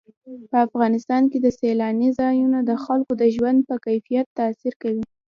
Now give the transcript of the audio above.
په افغانستان کې سیلانی ځایونه د خلکو د ژوند په کیفیت تاثیر کوي.